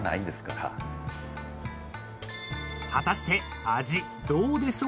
［果たして味どうでしょうか？］